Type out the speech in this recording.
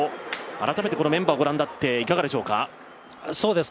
改めてこのメンバーをご覧になっていかがですか？